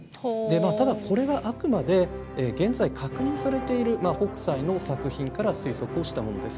ただこれはあくまで現在確認されている北斎の作品から推測をしたものです。